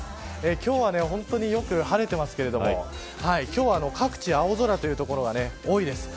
今日は本当によく晴れていますけれども各地青空という所が多いです。